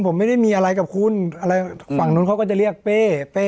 ผมไม่ได้มีอะไรกับคุณอะไรฝั่งนู้นเขาก็จะเรียกเป้เป้